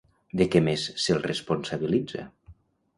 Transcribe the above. De què més se'l responsabilitza?